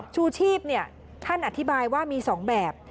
ชูชีพท่านอธิบายว่ามี๒แบบ